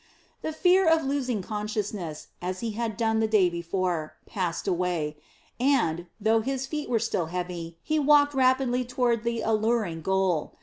The fear of losing consciousness, as he had done the day before, passed away and, though his feet were still heavy, he walked rapidly toward the alluring goal.